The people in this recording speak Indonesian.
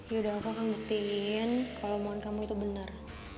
yaudah aku akan buktiin kalo omongan kamu itu bener